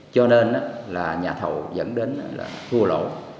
cho nên là nhà thầu dẫn đến là thua lỗ